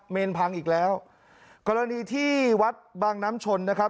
พังอีกแล้วกรณีที่วัดบางน้ำชนนะครับ